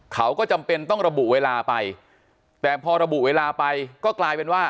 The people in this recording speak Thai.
เขาก็จำเป็นต้องระบุเวลาไปแต่พอระบุเวลาไปก็กลายเป็นว่า